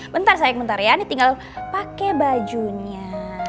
bentar sayang bentar ya ini tinggal pake bajunya